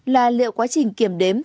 là liệu quá trình kiểm đếm